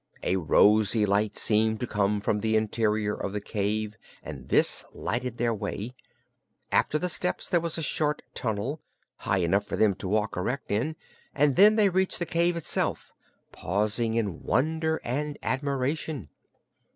A rosy light seemed to come from the interior of the cave, and this lighted their way. After the steps there was a short tunnel, high enough for them to walk erect in, and then they reached the cave itself and paused in wonder and admiration.